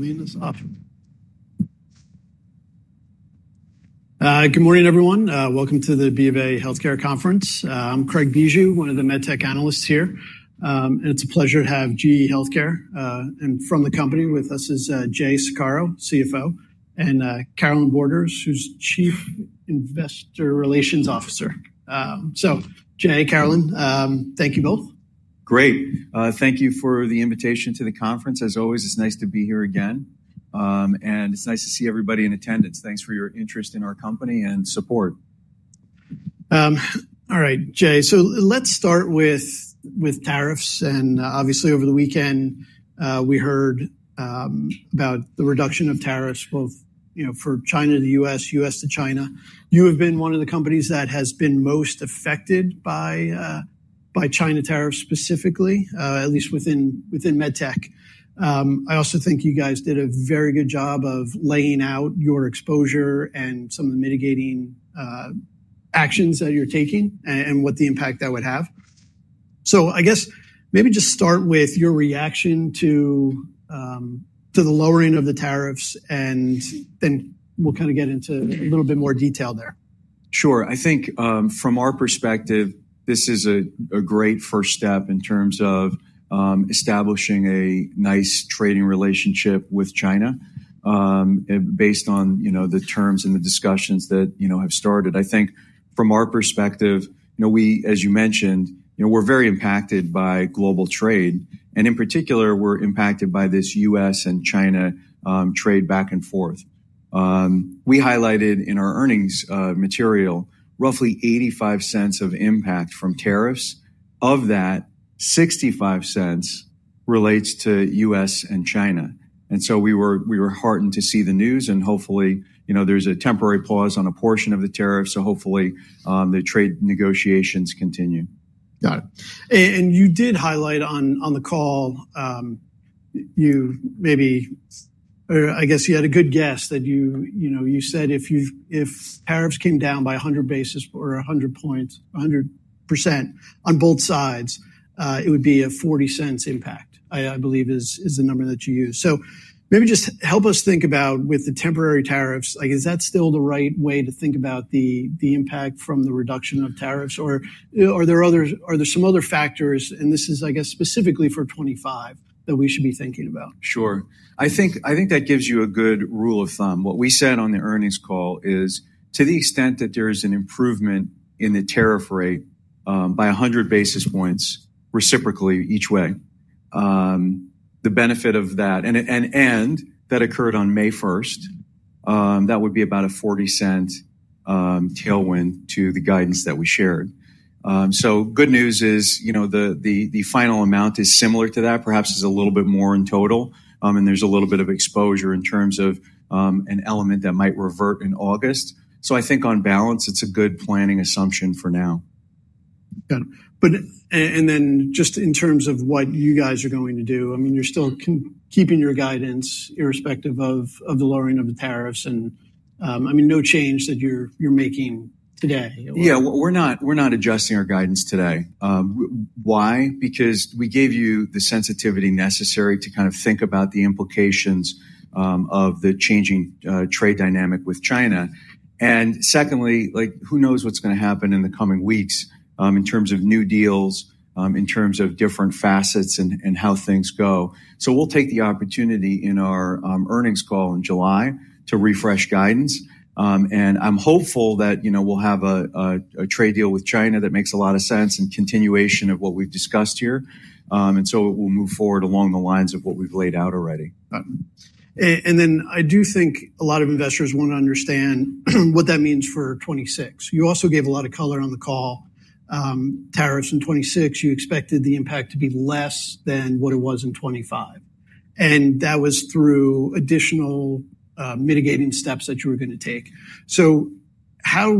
Good morning, everyone. Welcome to the B of A HealthCare Conference. I'm Craig Bijou, one of the medtech analysts here. It's a pleasure to have GE HealthCare. From the company with us is Jay Saccaro, CFO, and Carolyn Borders, who's Chief Investor Relations Officer. Jay, Carolyn, thank you both. Great. Thank you for the invitation to the conference. As always, it's nice to be here again. It's nice to see everybody in attendance. Thanks for your interest in our company and support. All right, Jay. Let's start with tariffs. Obviously, over the weekend, we heard about the reduction of tariffs, both for China to the U.S., U.S. to China. You have been one of the companies that has been most affected by China Tariffs specifically, at least within medtech. I also think you guys did a very good job of laying out your exposure and some of the mitigating actions that you're taking and what the impact that would have. I guess maybe just start with your reaction to the lowering of the tariffs, and then we'll kind of get into a little bit more detail there. Sure. I think from our perspective, this is a great first step in terms of establishing a nice trading relationship with China based on the terms and the discussions that have started. I think from our perspective, as you mentioned, we're very impacted by global trade. In particular, we're impacted by this U.S. and China trade back and forth. We highlighted in our earnings material roughly $0.85 of impact from tariffs. Of that, $0.65 relates to U.S. and China. We were heartened to see the news. Hopefully, there's a temporary pause on a portion of the tariffs, so hopefully the trade negotiations continue. Got it. You did highlight on the call, you maybe, or I guess you had a good guess that you said if tariffs came down by 100 basis points or 100 points, 100% on both sides, it would be a $0.40 impact, I believe is the number that you used. Maybe just help us think about with the temporary tariffs, is that still the right way to think about the impact from the reduction of tariffs? Are there some other factors, and this is, I guess, specifically for 2025 that we should be thinking about? Sure. I think that gives you a good rule of thumb. What we said on the earnings call is to the extent that there is an improvement in the tariff rate by 100 basis points reciprocally each way, the benefit of that, and that occurred on May 1, that would be about a $0.40 tailwind to the guidance that we shared. Good news is the final amount is similar to that, perhaps is a little bit more in total. There is a little bit of exposure in terms of an element that might revert in August. I think on balance, it is a good planning assumption for now. Got it. And then just in terms of what you guys are going to do, I mean, you're still keeping your guidance irrespective of the lowering of the tariffs. And I mean, no change that you're making today. Yeah, we're not adjusting our guidance today. Why? Because we gave you the sensitivity necessary to kind of think about the implications of the changing trade dynamic with China. Secondly, who knows what's going to happen in the coming weeks in terms of new deals, in terms of different facets and how things go. We will take the opportunity in our earnings call in July to refresh guidance. I'm hopeful that we'll have a trade deal with China that makes a lot of sense and continuation of what we've discussed here. We will move forward along the lines of what we've laid out already. I do think a lot of investors want to understand what that means for 2026. You also gave a lot of color on the call. Tariffs in 2026, you expected the impact to be less than what it was in 2025. That was through additional mitigating steps that you were going to take. How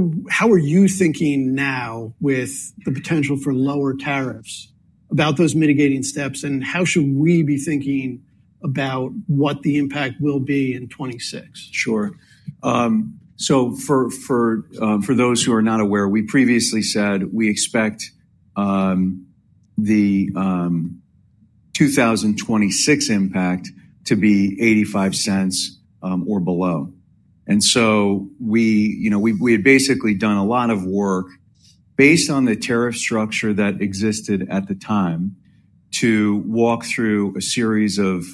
are you thinking now with the potential for lower tariffs about those mitigating steps? How should we be thinking about what the impact will be in 2026? Sure. For those who are not aware, we previously said we expect the 2026 impact to be $0.85 or below. We had basically done a lot of work based on the tariff structure that existed at the time to walk through a series of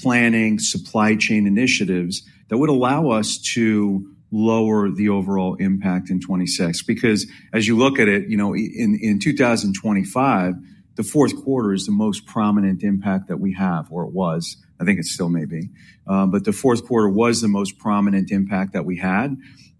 planning supply chain initiatives that would allow us to lower the overall impact in 2026. As you look at it, in 2025, the fourth quarter is the most prominent impact that we have, or it was. I think it still may be. The fourth quarter was the most prominent impact that we had.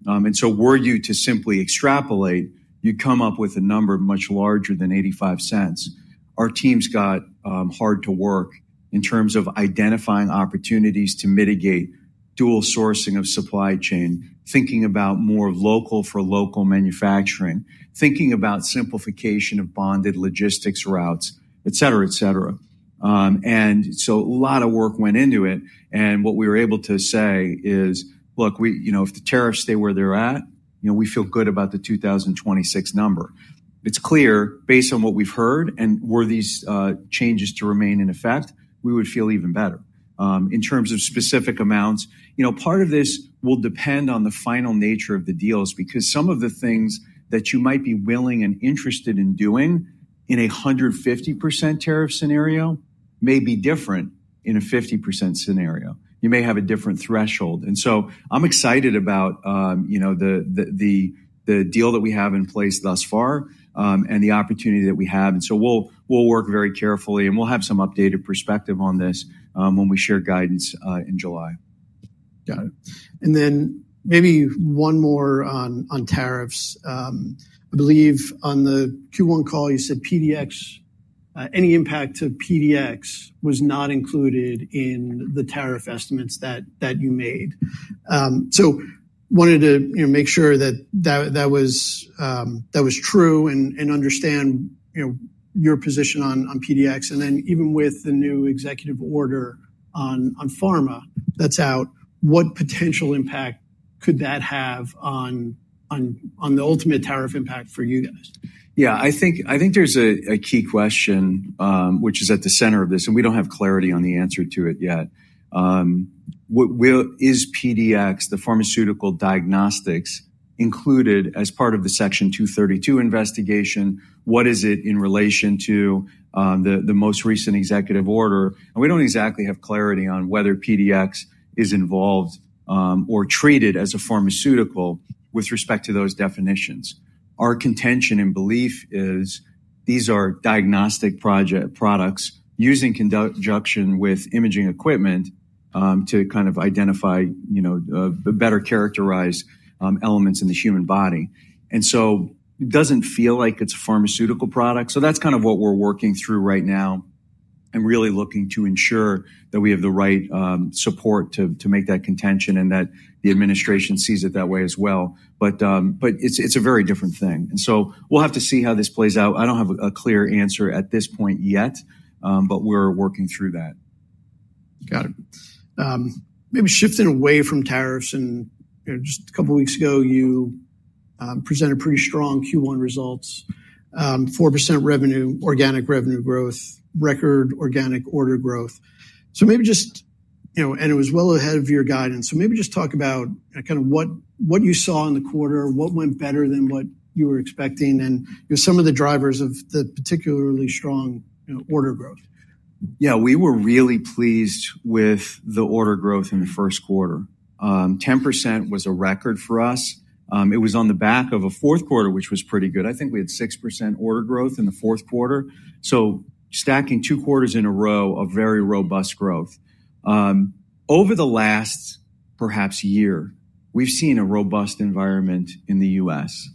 Were you to simply extrapolate, you would come up with a number much larger than $0.85. Our team's got hard to work in terms of identifying opportunities to mitigate dual sourcing of supply chain, thinking about more local for local manufacturing, thinking about simplification of bonded logistics routes, et cetera, et cetera. A lot of work went into it. What we were able to say is, look, if the tariffs stay where they're at, we feel good about the 2026 number. It's clear based on what we've heard and were these changes to remain in effect, we would feel even better. In terms of specific amounts, part of this will depend on the final nature of the deals because some of the things that you might be willing and interested in doing in a 150% tariff scenario may be different in a 50% scenario. You may have a different threshold. I'm excited about the deal that we have in place thus far and the opportunity that we have. We'll work very carefully and we'll have some updated perspective on this when we share guidance in July. Got it. Maybe one more on tariffs. I believe on the Q1 call, you said PDx, any impact to PDx was not included in the tariff estimates that you made. I wanted to make sure that that was true and understand your position on PDx. Even with the new executive order on pharma that's out, what potential impact could that have on the ultimate tariff impact for you guys? Yeah, I think there's a key question, which is at the center of this, and we don't have clarity on the answer to it yet. Is PDx, the Pharmaceutical Diagnostics, included as part of the Section 232 investigation? What is it in relation to the most recent executive order? We don't exactly have clarity on whether PDx is involved or treated as a pharmaceutical with respect to those definitions. Our contention and belief is these are diagnostic products used in conjunction with imaging equipment to kind of identify, better characterize elements in the human body. It doesn't feel like it's a pharmaceutical product. That's kind of what we're working through right now and really looking to ensure that we have the right support to make that contention and that the administration sees it that way as well. It's a very different thing. We will have to see how this plays out. I do not have a clear answer at this point yet, but we are working through that. Got it. Maybe shifting away from tariffs. And just a couple of weeks ago, you presented pretty strong Q1 results, 4% revenue, organic revenue growth, record organic order growth. So maybe just, and it was well ahead of your guidance. So maybe just talk about kind of what you saw in the quarter, what went better than what you were expecting, and some of the drivers of the particularly strong order growth. Yeah, we were really pleased with the order growth in the first quarter. 10% was a record for us. It was on the back of a fourth quarter, which was pretty good. I think we had 6% order growth in the fourth quarter. Stacking two quarters in a row of very robust growth. Over the last perhaps year, we've seen a robust environment in the U.S.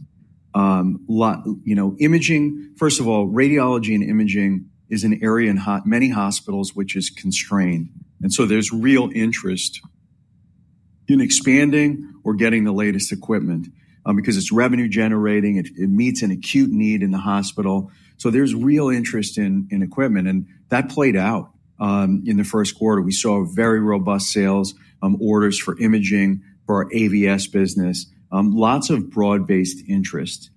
Imaging, first of all, radiology and imaging is an area in many hospitals which is constrained. There is real interest in expanding or getting the latest equipment because it's revenue generating. It meets an acute need in the hospital. There is real interest in equipment. That played out in the first quarter. We saw very robust sales, orders for imaging for our AVS business, lots of broad-based interest.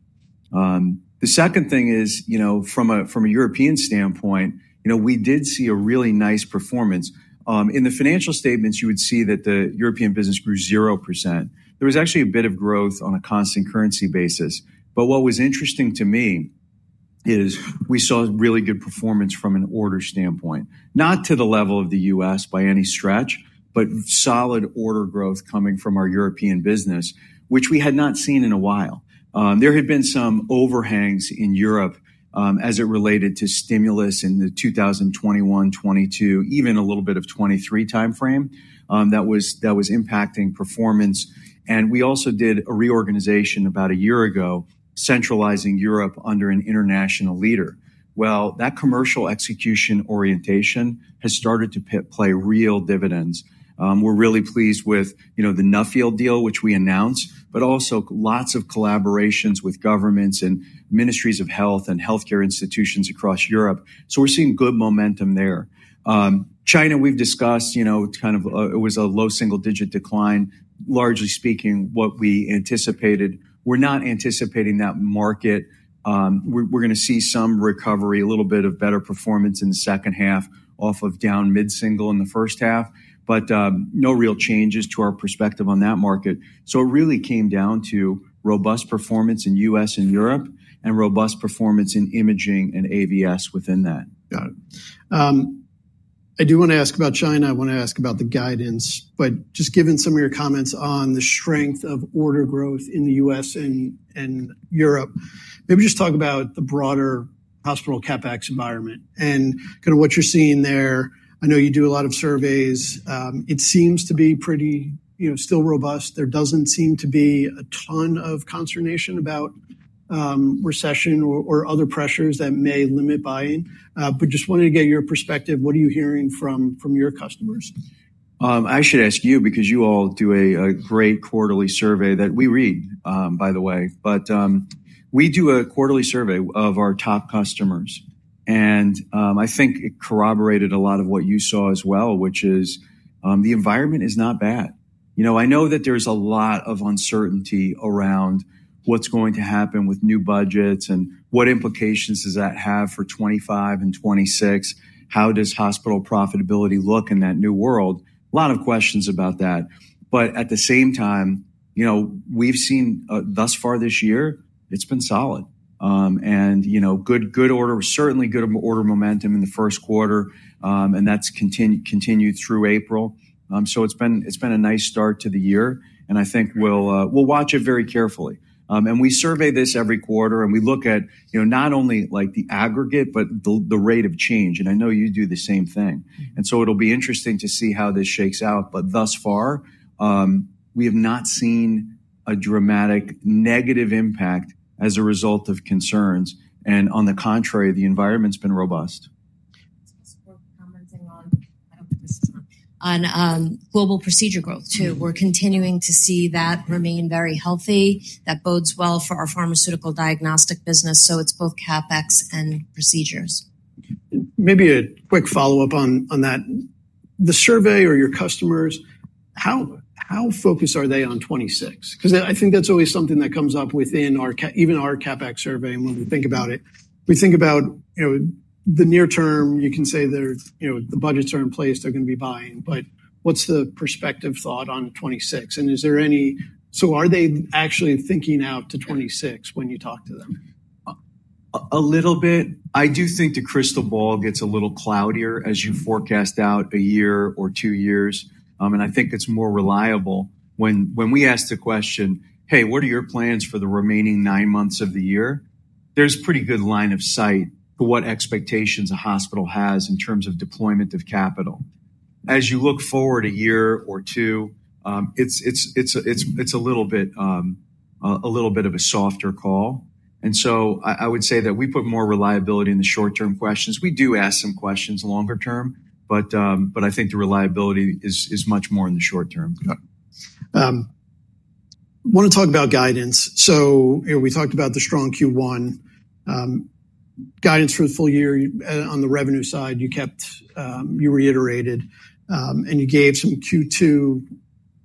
The second thing is from a European standpoint, we did see a really nice performance. In the financial statements, you would see that the European business grew 0%. There was actually a bit of growth on a constant currency basis. What was interesting to me is we saw really good performance from an order standpoint, not to the level of the U.S. by any stretch, but solid order growth coming from our European business, which we had not seen in a while. There had been some overhangs in Europe as it related to stimulus in the 2021, 2022, even a little bit of 2023 timeframe that was impacting performance. We also did a reorganization about a year ago, centralizing Europe under an international leader. That commercial execution orientation has started to play real dividends. We're really pleased with the Nuffield deal, which we announced, but also lots of collaborations with governments and ministries of health and healthcare institutions across Europe. We're seeing good momentum there. China, we've discussed, kind of it was a low single-digit decline. Largely speaking, what we anticipated, we're not anticipating that market. We're going to see some recovery, a little bit of better performance in the second half off of down mid-single in the first half, but no real changes to our perspective on that market. It really came down to robust performance in the U.S. and Europe and robust performance in imaging and AVS within that. Got it. I do want to ask about China. I want to ask about the guidance. Just given some of your comments on the strength of order growth in the U.S. and Europe, maybe just talk about the broader hospital CapEx environment and kind of what you're seeing there. I know you do a lot of surveys. It seems to be pretty still robust. There does not seem to be a ton of consternation about recession or other pressures that may limit buying. Just wanted to get your perspective. What are you hearing from your customers? I should ask you because you all do a great quarterly survey that we read, by the way. We do a quarterly survey of our top customers. I think it corroborated a lot of what you saw as well, which is the environment is not bad. I know that there is a lot of uncertainty around what is going to happen with new budgets and what implications does that have for 2025 and 2026? How does hospital profitability look in that new world? A lot of questions about that. At the same time, we have seen thus far this year, it has been solid. Good order, certainly good order momentum in the first quarter, and that has continued through April. It has been a nice start to the year. I think we will watch it very carefully. We survey this every quarter and we look at not only the aggregate, but the rate of change. I know you do the same thing. It will be interesting to see how this shakes out. Thus far, we have not seen a dramatic negative impact as a result of concerns. On the contrary, the environment's been robust. Just commenting on, I do not think this is on global procedure growth too. We are continuing to see that remain very healthy. That bodes well for our pharmaceutical diagnostic business. It is both CapEx and procedures. Maybe a quick follow-up on that. The survey or your customers, how focused are they on 2026? Because I think that's always something that comes up within even our CapEx survey. And when we think about it, we think about the near term, you can say the budgets are in place, they're going to be buying. But what's the perspective thought on 2026? And is there any, so are they actually thinking out to 2026 when you talk to them? A little bit. I do think the crystal ball gets a little cloudier as you forecast out a year or two years. I think it's more reliable when we ask the question, "Hey, what are your plans for the remaining nine months of the year?" There's a pretty good line of sight for what expectations a hospital has in terms of deployment of capital. As you look forward a year or two, it's a little bit of a softer call. I would say that we put more reliability in the short-term questions. We do ask some questions longer term, but I think the reliability is much more in the short term. Got it. I want to talk about guidance. We talked about the strong Q1 guidance for the full year. On the revenue side, you reiterated and you gave some Q2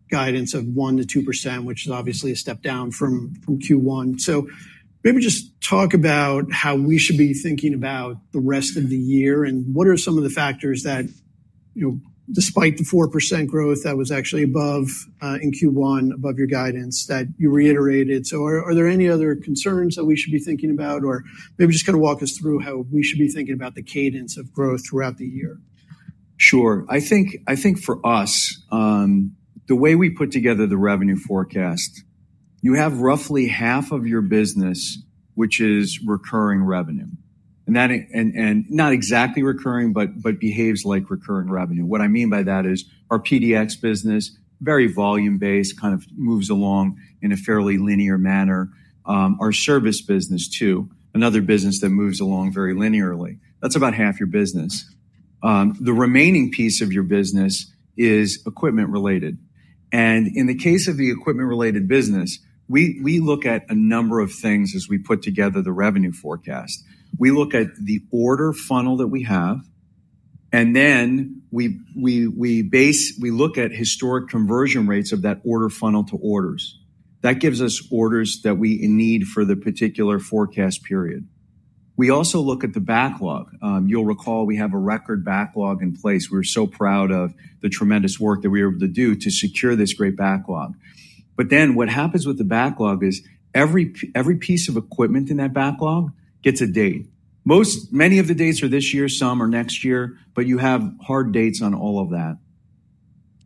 guidance of 1%-2%, which is obviously a step down from Q1. Maybe just talk about how we should be thinking about the rest of the year and what are some of the factors that despite the 4% growth that was actually above in Q1, above your guidance that you reiterated. Are there any other concerns that we should be thinking about? Maybe just kind of walk us through how we should be thinking about the cadence of growth throughout the year. Sure. I think for us, the way we put together the revenue forecast, you have roughly half of your business, which is recurring revenue. And not exactly recurring, but behaves like recurring revenue. What I mean by that is our PDx business, very volume-based, kind of moves along in a fairly linear manner. Our service business too, another business that moves along very linearly. That's about half your business. The remaining piece of your business is equipment-related. In the case of the equipment-related business, we look at a number of things as we put together the revenue forecast. We look at the order funnel that we have, and then we look at historic conversion rates of that order funnel to orders. That gives us orders that we need for the particular forecast period. We also look at the backlog. You'll recall we have a record backlog in place. We're so proud of the tremendous work that we were able to do to secure this great backlog. What happens with the backlog is every piece of equipment in that backlog gets a date. Many of the dates are this year, some are next year, but you have hard dates on all of that.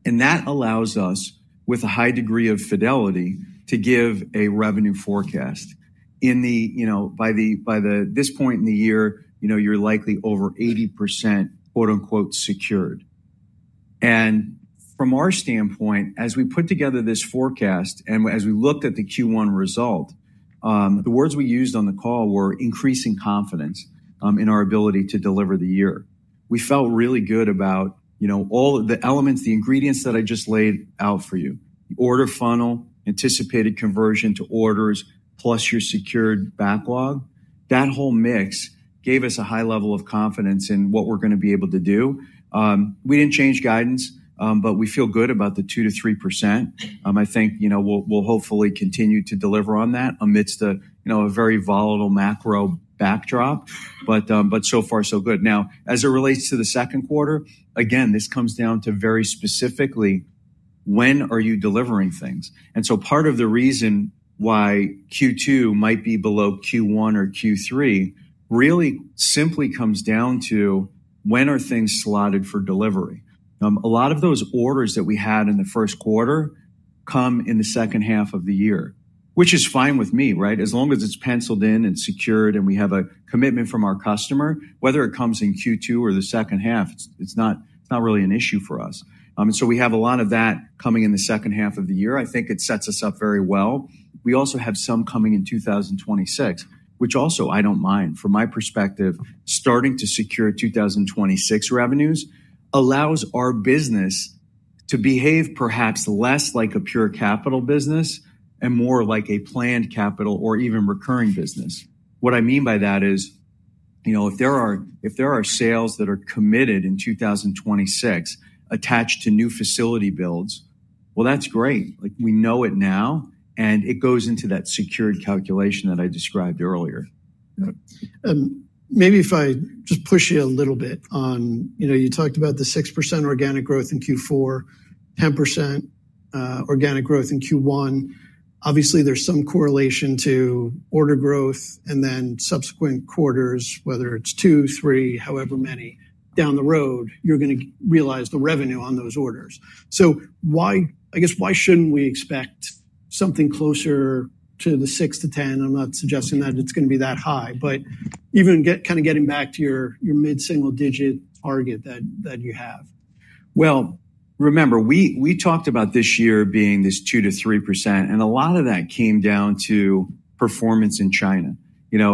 That allows us, with a high degree of fidelity, to give a revenue forecast. By this point in the year, you're likely over 80% "secured." From our standpoint, as we put together this forecast and as we looked at the Q1 result, the words we used on the call were increasing confidence in our ability to deliver the year. We felt really good about all the elements, the ingredients that I just laid out for you. The order funnel, anticipated conversion to orders, plus your secured backlog, that whole mix gave us a high level of confidence in what we're going to be able to do. We didn't change guidance, but we feel good about the 2%-3%. I think we'll hopefully continue to deliver on that amidst a very volatile macro backdrop, but so far, so good. Now, as it relates to the second quarter, again, this comes down to very specifically when are you delivering things. Part of the reason why Q2 might be below Q1 or Q3 really simply comes down to when are things slotted for delivery. A lot of those orders that we had in the first quarter come in the second half of the year, which is fine with me, right? As long as it's penciled in and secured and we have a commitment from our customer, whether it comes in Q2 or the second half, it's not really an issue for us. We have a lot of that coming in the second half of the year. I think it sets us up very well. We also have some coming in 2026, which also, I don't mind, from my perspective, starting to secure 2026 revenues allows our business to behave perhaps less like a pure capital business and more like a planned capital or even recurring business. What I mean by that is if there are sales that are committed in 2026 attached to new facility builds, that's great. We know it now, and it goes into that secured calculation that I described earlier. Maybe if I just push you a little bit on, you talked about the 6% organic growth in Q4, 10% organic growth in Q1. Obviously, there's some correlation to order growth and then subsequent quarters, whether it's two, three, however many down the road, you're going to realize the revenue on those orders. So I guess why shouldn't we expect something closer to the 6%-10%? I'm not suggesting that it's going to be that high, but even kind of getting back to your mid-single digit target that you have. Remember, we talked about this year being this 2%-3%, and a lot of that came down to performance in China.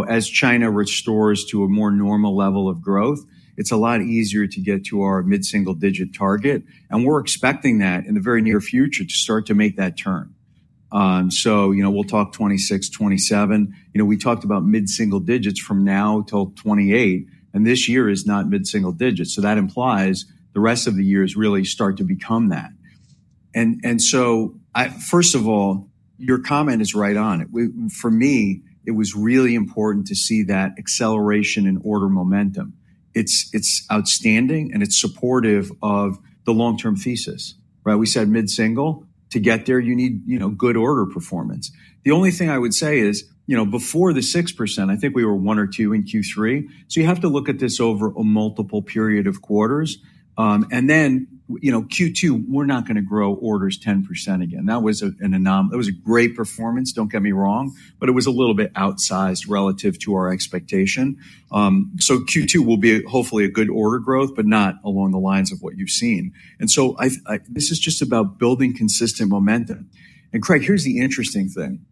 As China restores to a more normal level of growth, it's a lot easier to get to our mid-single digit target. We're expecting that in the very near future to start to make that turn. We'll talk 2026, 2027. We talked about mid-single digits from now till 2028, and this year is not mid-single digits. That implies the rest of the year is really start to become that. First of all, your comment is right on it. For me, it was really important to see that acceleration in order momentum. It's outstanding and it's supportive of the long-term thesis. We said mid-single, to get there, you need good order performance. The only thing I would say is before the 6%, I think we were one or two in Q3. You have to look at this over a multiple period of quarters. In Q2, we are not going to grow orders 10% again. That was a great performance, do not get me wrong, but it was a little bit outsized relative to our expectation. Q2 will be hopefully a good order growth, but not along the lines of what you have seen. This is just about building consistent momentum. Craig, here is the interesting thing.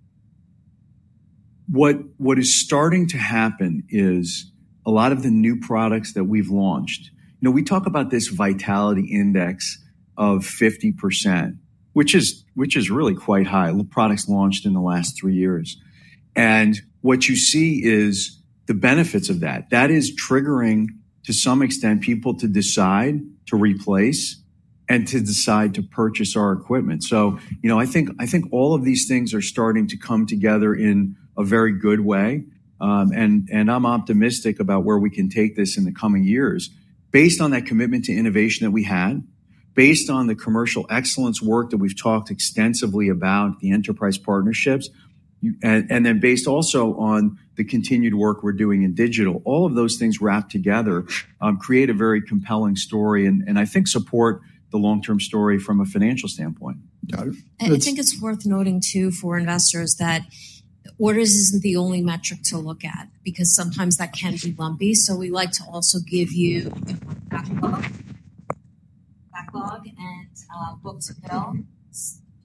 What is starting to happen is a lot of the new products that we have launched. We talk about this vitality index of 50%, which is really quite high, products launched in the last three years. What you see is the benefits of that. That is triggering to some extent people to decide to replace and to decide to purchase our equipment. I think all of these things are starting to come together in a very good way. I am optimistic about where we can take this in the coming years based on that commitment to innovation that we had, based on the commercial excellence work that we have talked extensively about, the enterprise partnerships, and then based also on the continued work we are doing in digital. All of those things wrapped together create a very compelling story and I think support the long-term story from a financial standpoint. I think it's worth noting too for investors that orders isn't the only metric to look at because sometimes that can be lumpy. We like to also give you backlog and book to bill.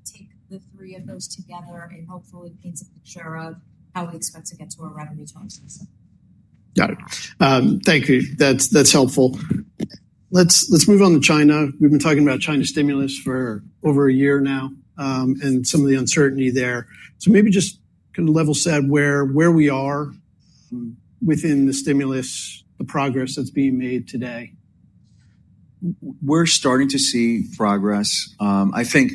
Take the three of those together and hopefully paint a picture of how we expect to get to our revenue targets. Got it. Thank you. That's helpful. Let's move on to China. We've been talking about China stimulus for over a year now and some of the uncertainty there. Maybe just kind of level set where we are within the stimulus, the progress that's being made today. We're starting to see progress. I think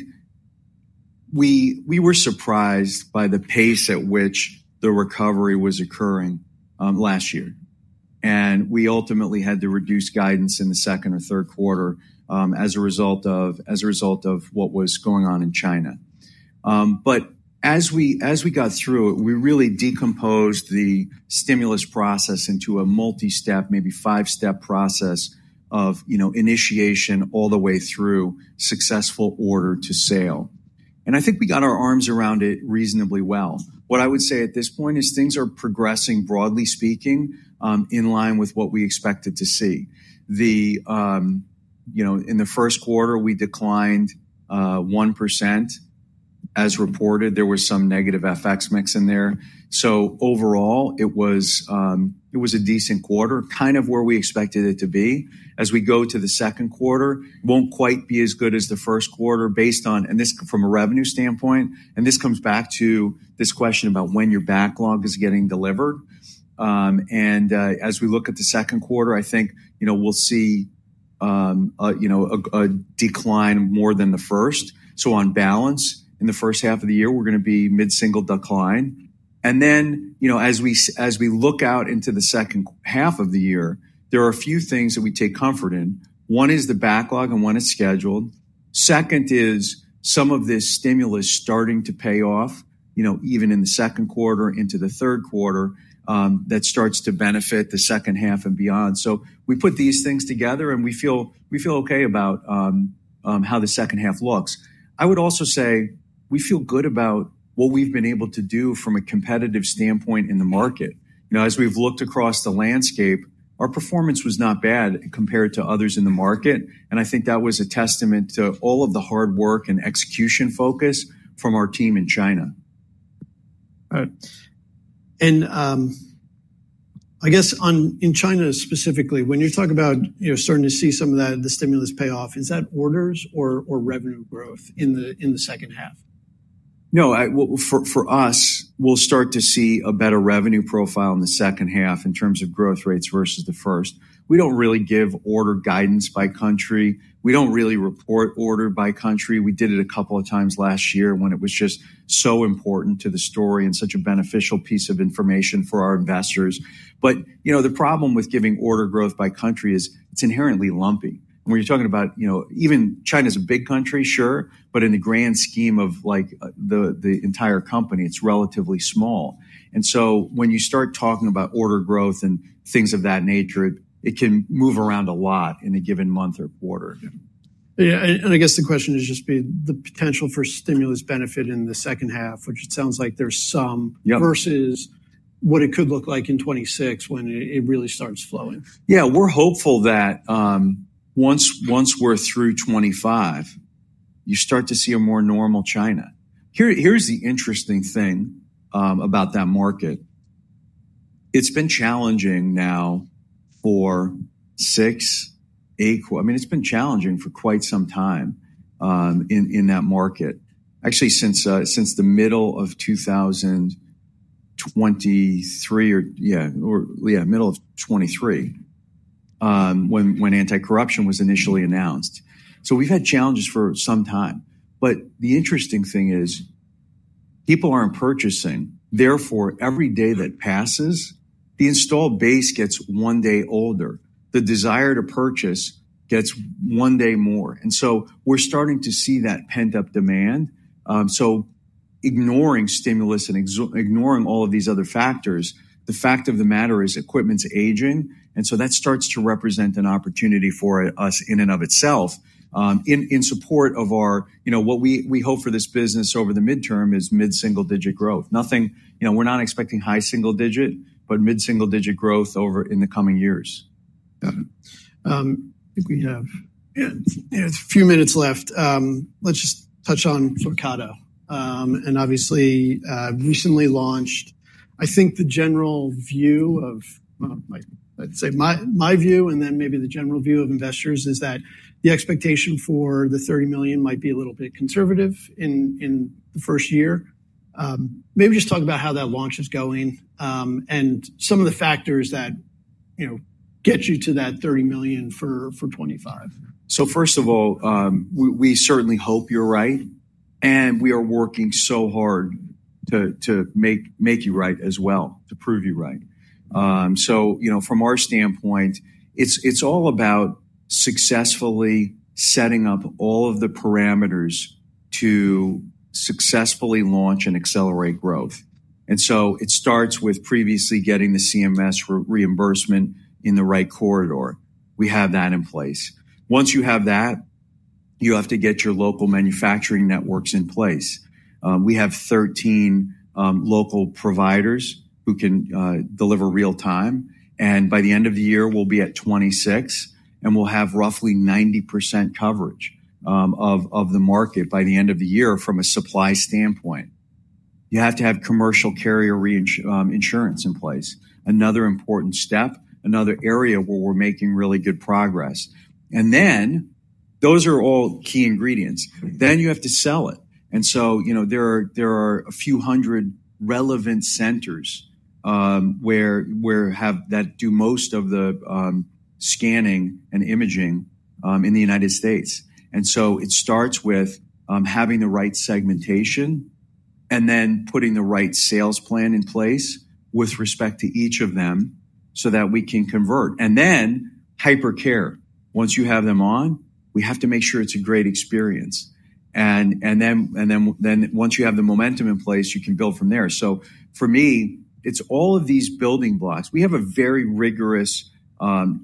we were surprised by the pace at which the recovery was occurring last year. We ultimately had to reduce guidance in the second or third quarter as a result of what was going on in China. As we got through it, we really decomposed the stimulus process into a multi-step, maybe five-step process of initiation all the way through successful order to sale. I think we got our arms around it reasonably well. What I would say at this point is things are progressing, broadly speaking, in line with what we expected to see. In the first quarter, we declined 1% as reported. There were some negative FX mix in there. Overall, it was a decent quarter, kind of where we expected it to be. As we go to the second quarter, it won't quite be as good as the first quarter based on, and this from a revenue standpoint, and this comes back to this question about when your backlog is getting delivered. As we look at the second quarter, I think we'll see a decline more than the first. On balance, in the first half of the year, we're going to be mid-single decline. As we look out into the second half of the year, there are a few things that we take comfort in. One is the backlog and one is scheduled. Second is some of this stimulus starting to pay off even in the second quarter into the third quarter that starts to benefit the second half and beyond. We put these things together and we feel okay about how the second half looks. I would also say we feel good about what we've been able to do from a competitive standpoint in the market. As we've looked across the landscape, our performance was not bad compared to others in the market. I think that was a testament to all of the hard work and execution focus from our team in China. I guess in China specifically, when you talk about starting to see some of that, the stimulus pay off, is that orders or revenue growth in the second half? No, for us, we'll start to see a better revenue profile in the second half in terms of growth rates versus the first. We don't really give order guidance by country. We don't really report order by country. We did it a couple of times last year when it was just so important to the story and such a beneficial piece of information for our investors. The problem with giving order growth by country is it's inherently lumpy. When you're talking about even China is a big country, sure, but in the grand scheme of the entire company, it's relatively small. When you start talking about order growth and things of that nature, it can move around a lot in a given month or quarter. Yeah. I guess the question is just the potential for stimulus benefit in the second half, which it sounds like there's some versus what it could look like in 2026 when it really starts flowing. Yeah, we're hopeful that once we're through 2025, you start to see a more normal China. Here's the interesting thing about that market. It's been challenging now for six, eight quarters. I mean, it's been challenging for quite some time in that market, actually since the middle of 2023 or, yeah, middle of 2023 when anti-corruption was initially announced. So we've had challenges for some time. The interesting thing is people aren't purchasing. Therefore, every day that passes, the installed base gets one day older. The desire to purchase gets one day more. We're starting to see that pent-up demand. Ignoring stimulus and ignoring all of these other factors, the fact of the matter is equipment's aging. That starts to represent an opportunity for us in and of itself in support of what we hope for this business over the midterm is mid-single digit growth. We're not expecting high single digit, but mid-single digit growth over in the coming years. Got it. I think we have a few minutes left. Let's just touch on Fugato. Obviously, recently launched, I think the general view of, I'd say my view, and then maybe the general view of investors is that the expectation for the $30 million might be a little bit conservative in the first year. Maybe just talk about how that launch is going and some of the factors that get you to that $30 million for 2025. First of all, we certainly hope you're right. We are working so hard to make you right as well, to prove you right. From our standpoint, it's all about successfully setting up all of the parameters to successfully launch and accelerate growth. It starts with previously getting the CMS reimbursement in the right corridor. We have that in place. Once you have that, you have to get your local manufacturing networks in place. We have 13 local providers who can deliver real time. By the end of the year, we'll be at 26, and we'll have roughly 90% coverage of the market by the end of the year from a supply standpoint. You have to have commercial carrier insurance in place. Another important step, another area where we're making really good progress. Those are all key ingredients. You have to sell it. There are a few hundred relevant centers that do most of the scanning and imaging in the U.S. It starts with having the right segmentation and then putting the right sales plan in place with respect to each of them so that we can convert. Hypercare, once you have them on, we have to make sure it is a great experience. Once you have the momentum in place, you can build from there. For me, it is all of these building blocks. We have a very rigorous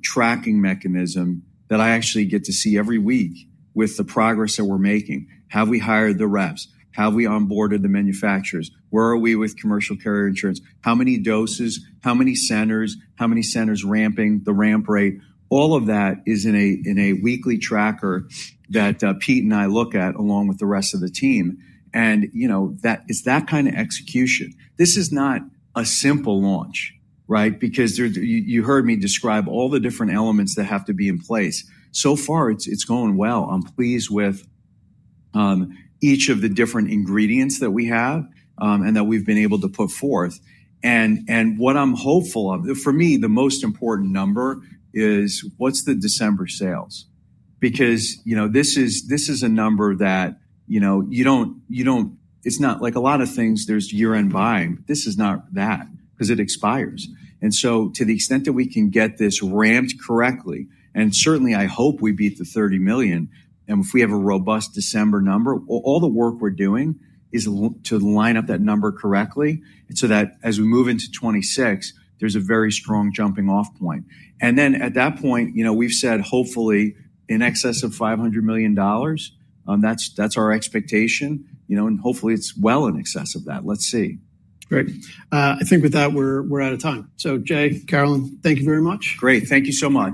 tracking mechanism that I actually get to see every week with the progress that we are making. Have we hired the reps? Have we onboarded the manufacturers? Where are we with commercial carrier insurance? How many doses? How many centers? How many centers ramping? The ramp rate. All of that is in a weekly tracker that Pete and I look at along with the rest of the team. It is that kind of execution. This is not a simple launch, right? Because you heard me describe all the different elements that have to be in place. So far, it is going well. I am pleased with each of the different ingredients that we have and that we have been able to put forth. What I am hopeful of, for me, the most important number is what is the December sales? Because this is a number that you do not, it is not like a lot of things, there is year-end buying. This is not that because it expires. To the extent that we can get this ramped correctly, and certainly I hope we beat the $30 million, and if we have a robust December number, all the work we are doing is to line up that number correctly so that as we move into 2026, there is a very strong jumping-off point. At that point, we have said hopefully in excess of $500 million. That is our expectation. Hopefully it is well in excess of that. Let's see. Great. I think with that, we're out of time. So Jay, Carolyn, thank you very much. Great. Thank you so much.